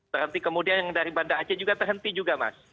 berhenti kemudian yang dari bandar aceh juga terhenti juga mas